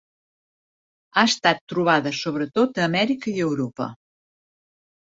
Ha estat trobada sobretot a Amèrica i Europa.